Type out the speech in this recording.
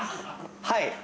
はい。